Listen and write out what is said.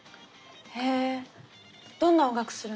へえどんな音楽するの？